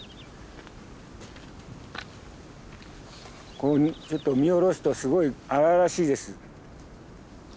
こうちょっと見下ろすとすごい荒々しいです。